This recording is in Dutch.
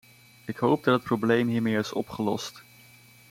Ik hoop dat het probleem hiermee is opgelost.